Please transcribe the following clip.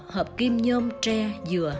hợp kim nhôm tre dừa